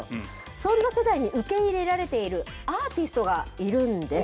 そんな世代に受け入れられているアーティストがいるんです。